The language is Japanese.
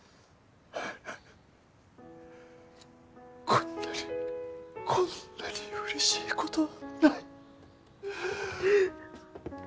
こんなにこんなにうれしいことはない。